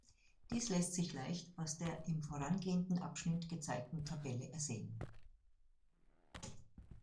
Dies lässt sich leicht aus der im vorangehenden Abschnitt gezeigten Tabelle sehen.